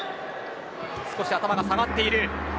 少し頭が下がっている。